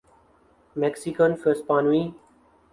Mexican ہسپانوی